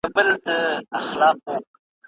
ډیجیټل ډیټابیس د ژبې د ودې لاره ده.